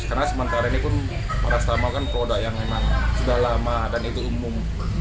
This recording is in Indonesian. karena sementara ini pun para stamau kan produk yang memang sudah lama dan itu umum